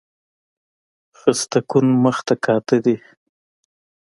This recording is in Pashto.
خسته کن مخ ته کاته دي